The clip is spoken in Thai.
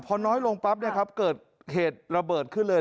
พอน้อยลงปั๊บเกิดเหตุระเบิดขึ้นเลย